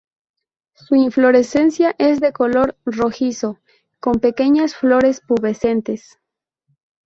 Su inflorescencia es de color rojizo, con pequeñas flores pubescentes.